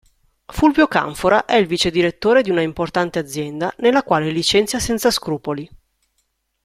Fulvio Canfora è il vicedirettore di una importante azienda, nella quale licenzia senza scrupoli.